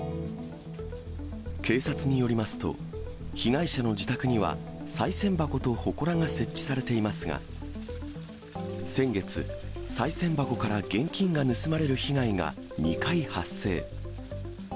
警察によりますと、被害者の自宅には、さい銭箱とほこらが設置されていますが、先月、さい銭箱から現金が盗まれる被害が２回発生。